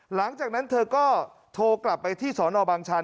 หลังจากนั้นเธอก็โทรกลับไปที่สอนอบางชัน